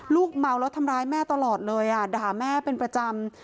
เมาแล้วทำร้ายแม่ตลอดเลยด่าแม่เป็นประจำ